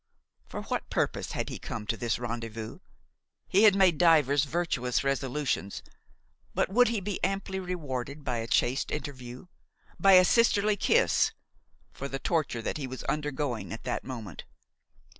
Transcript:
For what purpose had he come to this rendezvous? He had made divers virtuous resolutions, but would he be amply rewarded by a chaste interview, by a sisterly kiss, for the torture he was undergoing at that moment?